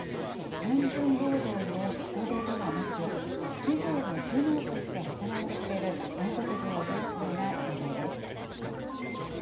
単純労働の人手ではなく、企業の頭脳として働いてくれる外国人を増やすのがねらいです。